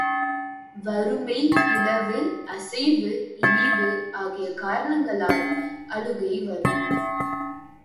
வறுமை, இழவு, அசைவு, இழிவு, ஆகிய காரணங்களால் அழுகை வரும்.